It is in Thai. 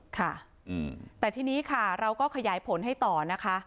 ค่ะแต่ทีนี้ค่ะเราก็ขยายผลให้ต่อนะคะ